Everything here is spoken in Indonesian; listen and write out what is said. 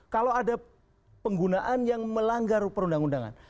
kalau ada penggunaan yang melanggar perundang undangan